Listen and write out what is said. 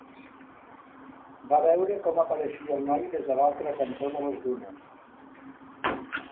Va veure com apareixia el noi des de l'altre cantó de les dunes.